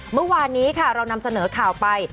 เมื่อวานนี้ค่ะเรานำเสนอข่าวไป